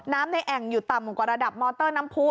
ในแอ่งอยู่ต่ำกว่าระดับมอเตอร์น้ำผู้